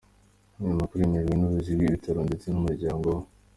Aya makuru yemejwe n’ubuyobozi bw’ibitaro ndetse n’umuryango we.